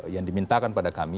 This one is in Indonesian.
yang dimintakan pada kami